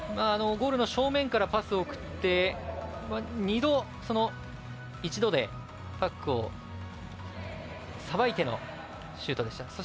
ゴールの正面からパスを送って、２度、１度でパックをさばいてのシュートでした。